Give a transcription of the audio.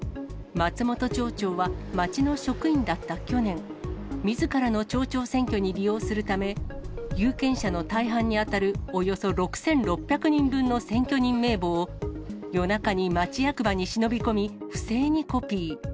松本町長は、町の職員だった去年、みずからの町長選挙に利用するため、有権者の大半にあたる、およそ６６００人分の選挙人名簿を、夜中に町役場に忍び込み、不正にコピー。